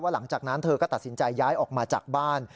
หลังจากนั้นเธอก็ตัดสินใจย้ายออกมาจากบ้าน